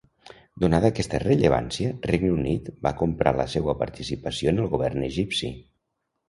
Donada aquesta rellevància, Regne Unit va comprar la seua participació en el govern egipci.